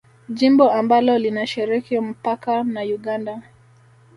Jimbo ambalo linashiriki mpaka na Uganda